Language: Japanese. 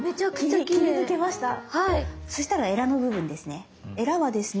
そしたらエラの部分ですね。